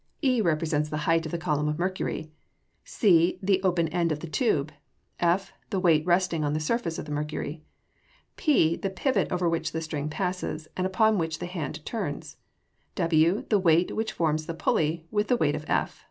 E represents the height of the column of mercury; C the open end of the tube; F the weight resting on the surface of the mercury; P the pivot over which the string passes, and upon which the hand turns; W the weight which forms the pulley with the weight F.